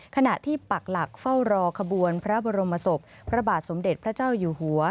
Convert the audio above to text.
ขณะที่ปักหลักเฝ้ารอขบวนพระบรมศพพระบาทสมเด็จพระเจ้าอยู่หัว